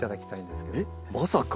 えっまさか。